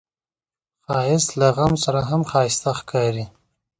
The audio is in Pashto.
ښایست له غم سره هم ښايسته ښکاري